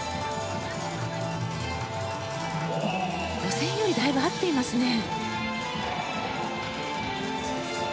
予選よりだいぶ合ってますね。